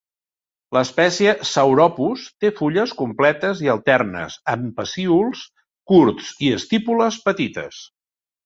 La espècie Sauropus té fulles completes i alternes, amb pecíols curts i estípules petites.